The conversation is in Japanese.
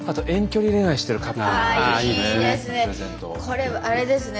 これあれですね。